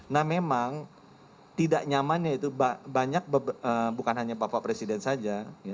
nah memang tidak nyamannya itu banyak bukan hanya bapak presiden saja